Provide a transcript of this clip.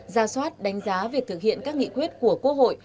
ra soát đánh giá việc thực hiện các nghị quyết của quốc hội